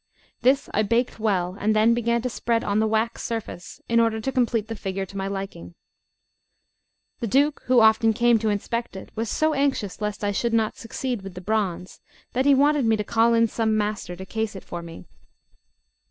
This I baked well, and then began to spread on the wax surface, in order to complete the figure to my liking. The Duke, who often came to inspect it, was so anxious lest I should not succeed with the bronze, that he wanted me to call in some master to case it for me.